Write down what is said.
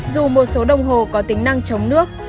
dù một số đồng hồ có tính năng chống nước